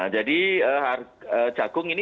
jadi jagung ini